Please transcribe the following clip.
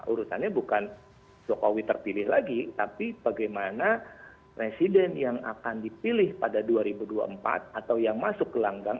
urusannya bukan jokowi terpilih lagi tapi bagaimana presiden yang akan dipilih pada dua ribu dua puluh empat atau yang masuk ke langgang